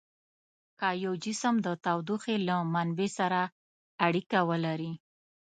که یو جسم د تودوخې له منبع سره اړیکه ولري.